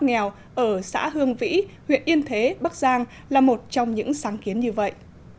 nghèo ở xã hương vĩ huyện yên thế bắc giang là một trong những sáng kiến như vậy